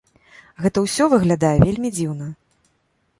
Гэта ўсё выглядае вельмі дзіўна.